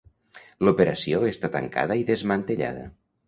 L'operació està tancada i desmantellada.